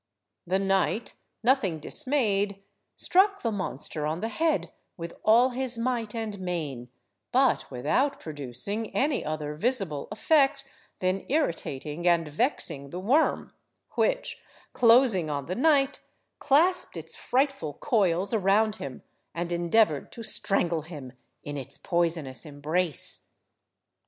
The knight, nothing dismayed, struck the monster on the head with all his might and main, but without producing any other visible effect than irritating and vexing the worm, which, closing on the knight, clasped its frightful coils around him, and endeavoured to strangle him in its poisonous embrace.